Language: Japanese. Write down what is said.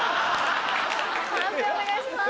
判定お願いします。